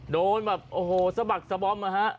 โดนแบบโอ้โหสะบักสะบอมอะฮะ